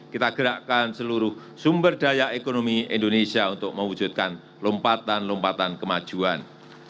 kita gerakkan seluruh sumber daya ekonomi indonesia untuk mewujudkan lompatan lompatan kemajuan